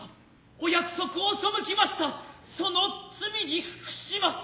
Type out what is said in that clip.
御約束を背きました其の罪に伏します。